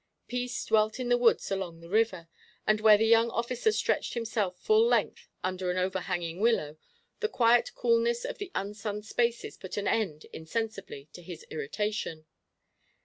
Peace dwelt in the woods along the river, and where the young officer stretched himself full length under an overhanging willow, the quiet coolness of the unsunned spaces put an end, insensibly, to his irritation.